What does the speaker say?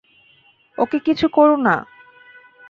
ওকে কিছু করো না।